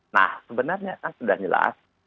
nah sebenarnya kan sudah jelas